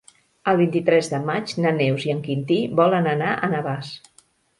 El vint-i-tres de maig na Neus i en Quintí volen anar a Navàs.